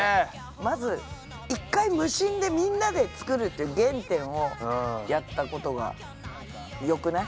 まず一回無心でみんなで作るっていう原点をやったことがよくない？